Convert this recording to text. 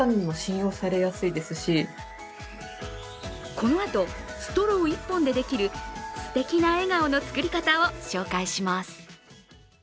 このあとストロー１本でできるすてきな笑顔の作り方を紹介します。